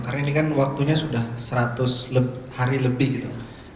karena ini kan waktunya sudah seratus hari lebih gitu